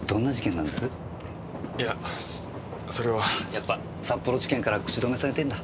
やっぱ札幌地検から口止めされてんだ。